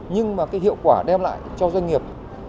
nhưng mà hiệu quả đem lại cho doanh nghiệp